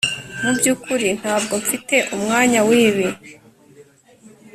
Mu byukuri ntabwo mfite umwanya wibi